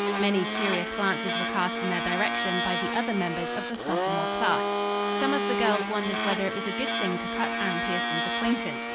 Many curious glances were cast in their direction by the other members of the sophomore class. Some of the girls wondered whether it was a good thing to cut Anne Pierson's acquaintance.